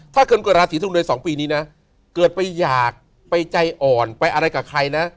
ถ้าคนเกิดราศีธุมโดย๒ปีนี้นะเกิดไปอยากไปใจอ่อนไปอะไรกับใครนะ